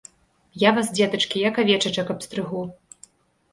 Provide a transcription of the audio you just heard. Я вас, дзетачкі, як авечачак абстрыгу.